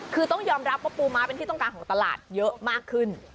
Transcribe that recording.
คือต้องยอมรับว่าปูม้าเป็นที่ต้องการของตลาดเยอะมากขึ้น